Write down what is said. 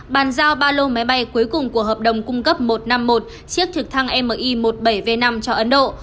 bàn giao ba lô máy bay cuối cùng của hợp đồng cung cấp một trăm năm mươi một chiếc trực thăng mi một mươi bảy v năm cho ấn độ